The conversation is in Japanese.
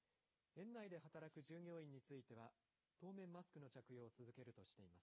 園内で働く従業員については、当面、マスクの着用を続けるとしています。